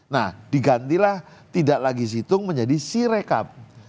nah digantilah tidak lagi situng menjadi si rekap